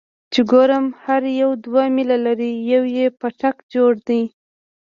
چې ګورم هر يو دوه ميله لرې يو يو پاټک جوړ دى.